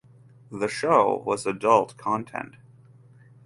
The show was adult content.